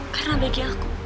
karena bagi aku